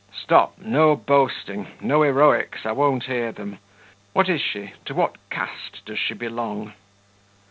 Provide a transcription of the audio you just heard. "Stop! No boasting no heroics; I won't hear them. What is she? To what caste does she belong?"